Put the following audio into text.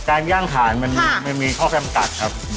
การย่างขาดมันไม่มีข้อแปรมกัดครับ